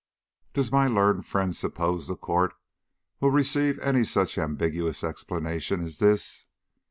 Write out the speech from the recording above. "Does my learned friend suppose the court will receive any such ambiguous explanation as this?